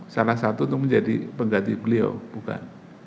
salah satu itu menjadi pengganti beliau bukan